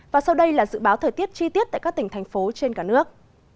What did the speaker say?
và sau đây là dự báo thời tiết chi tiết tại các tỉnh thành phố trên cả nước